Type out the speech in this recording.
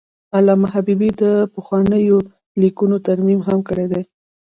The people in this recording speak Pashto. علامه حبیبي د پخوانیو لیکنو ترمیم هم کړی دی.